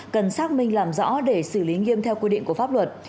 cần xác minh làm rõ để xử lý nghiêm theo quy định của pháp luật